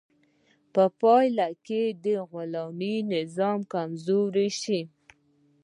په پایله کې د غلامي نظام کمزوری شو.